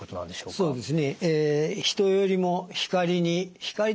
そうですね。